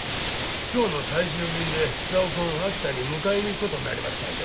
今日の最終便で久男君秋田に迎えに行くことになりましたんで。